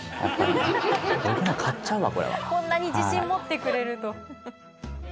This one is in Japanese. こんなに自信持ってくれると。